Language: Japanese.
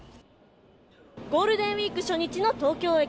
ゴールデンウィーク初日の東京駅。